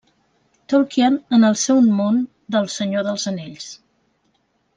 Tolkien en el seu món d'El Senyor dels Anells.